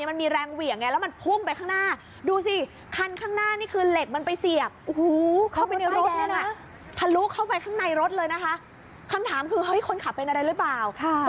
มันมีแรงเหวี่ยงไงแล้วมันพุ่งไปข้างหน้า